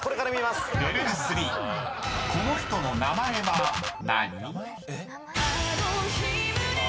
［この人の名前は何？］